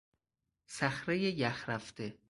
صخرهی یخرفته